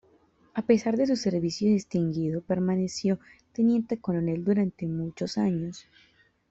A pesar de su servicio distinguido, permaneció teniente coronel durante muchos años.